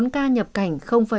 bốn mươi bốn ca nhập cảnh năm